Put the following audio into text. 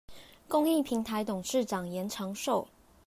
公益平臺董事長嚴長壽